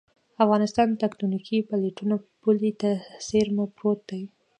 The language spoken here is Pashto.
افغانستان تکتونیکي پلیټو پولې ته څېرمه پروت دی